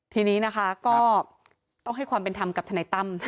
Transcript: ทีนี้นะคะก็ต้องให้ความเป็นธรรมกับทนายตั้ม